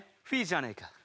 フィーじゃねえか。